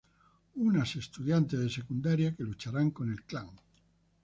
Unas estudiantes de secundaria, que lucharán con el clan.